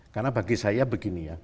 karena bagi saya begini ya